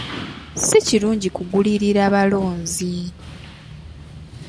Si kirungi kugulirira balonzi.